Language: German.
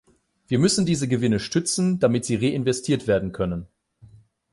Wir müssen diese Gewinne stützen, damit sie reinvestiert werden können.